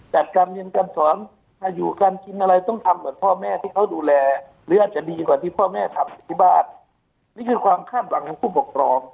จัดการเรียนการสอนให้อยู่การกินอะไรต้องทำเหมือนพ่อแม่ที่เขาดูแลหรืออาจจะดีกว่าที่พ่อแม่ทำอยู่ที่บ้านนี่คือความคาดหวังของผู้ปกครอง